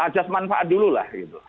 ajas manfaat dulu lah gitu